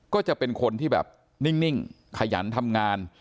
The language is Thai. ก็จะเป็นคนที่แบบนิ่งขยันทำงาน